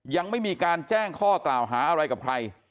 ยังไม่มีการแจ้งข้อกล่าวหาอะไรกับใคร